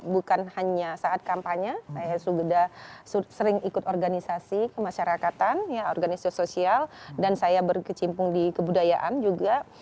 bukan hanya saat kampanye saya sudah sering ikut organisasi kemasyarakatan organisasi sosial dan saya berkecimpung di kebudayaan juga